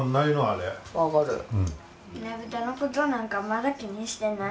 ねぶたのことなんかまだ気にしてない。